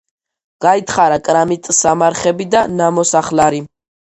გაითხარა კრამიტსამარხები და ნამოსახლარი.